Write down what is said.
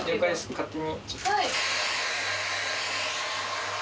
勝手に。